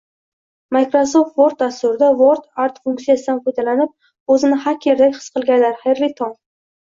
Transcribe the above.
Microsoft Word dasturida WordArt funksiyasidan foydalanib o'zini xakkerdek his qilganlar, xayrli tong!